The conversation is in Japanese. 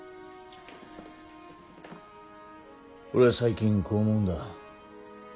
俺は最近こう思うんだ。